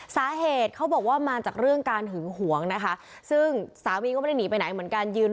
สาเหตุว่ามาจากเรื่องการหึวงซึ่งก็ไม่ได้หนีไปไหนเหมือนกัน